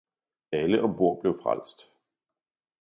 Alle ombord blev frelst.